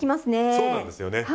そうなんですよね。